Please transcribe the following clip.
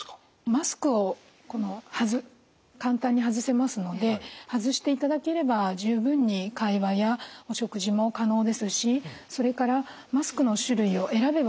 マスクを簡単に外せますので外していただければ十分に会話やお食事も可能ですしそれからマスクの種類を選べばですね